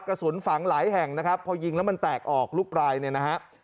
กระสุนฝังหลายแห่งนะครับพอยิงแล้วมันแตกออกลูกปลายเนี่ยนะฮะ